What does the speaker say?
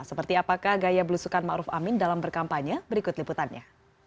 seperti apakah gaya belusukan ma'ruf amin dalam berkampanye berikut liputannya